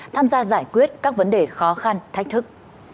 tham gia giải quyết các vấn đề khó khăn thách thức